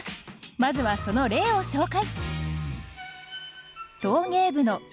まずはその例を紹介。